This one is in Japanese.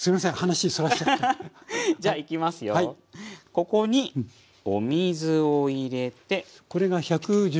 ここにお水を入れて。